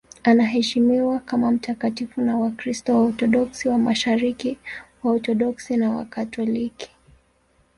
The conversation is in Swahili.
Anaheshimiwa kama mtakatifu na Wakristo Waorthodoksi wa Mashariki, Waorthodoksi na Wakatoliki.